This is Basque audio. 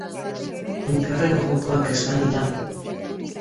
Elkarren gogokoak ez badira.